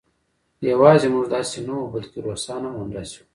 یوازې موږ داسې نه وو بلکې روسان هم همداسې وو